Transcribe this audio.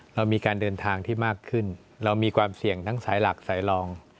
เรามีการเดินทางที่มากขึ้นเรามีความเสี่ยงทั้งสายหลักสายรอง